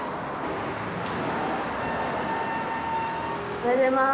おはようございます。